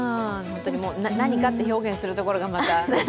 何かって表現するところがまた。